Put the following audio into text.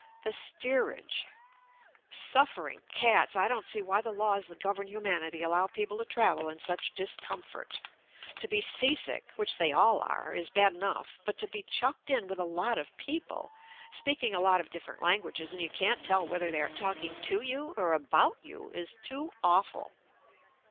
The steerage! Suffering cats, I don't see why the laws that govern humanity allow peo ple to travel in such discomfort. To be sea sick, which they all are, is bad enough, but to be chucked in with a lot of people, speaking a lot of different languages and you can't tell whether they are talking to you or about you, is too awful.